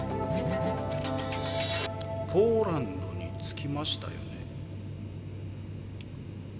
ポーランドに着きましたよね？